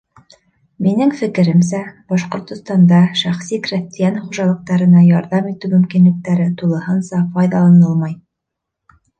Минең фекеремсә, Башҡортостанда шәхси крәҫтиән хужалыҡтарына ярҙам итеү мөмкинлектәре тулыһынса файҙаланылмай.